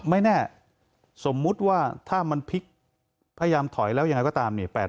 ไม่แน่สมมุติว่าถ้ามันพลิกพยายามถอยแล้วยังไงก็ตามเนี่ย